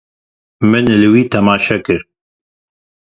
Min li wî temaşe kir.